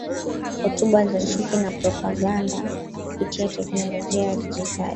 hotuba za chuki na propaganda kupitia teknolojia ya digitali